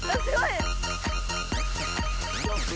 すごい！